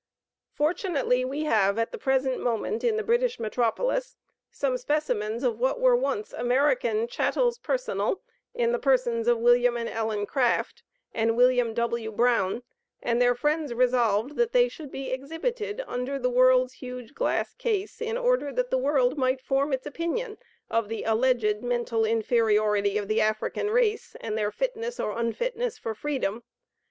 Fortunately, we have, at the present moment, in the British Metropolis, some specimens of what were once American "chattels personal," in the persons of William and Ellen Craft, and William W. Brown, and their friends resolved that they should be exhibited under the world's huge glass case, in order that the world might form its opinion of the alleged mental inferiority of the African race, and their fitness or unfitness for freedom.